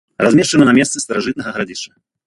Размешчана на месцы старажытнага гарадзішча.